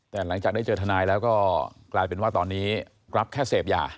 แต่หลังจากได้เจอทนายแล้วก็กลายเป็นว่าตอนนี้รับแค่เสพยา